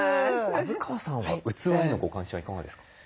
虻川さんは器へのご関心はいかがですか？